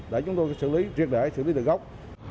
để chúng tôi xử lý triệt để xử lý từ gốc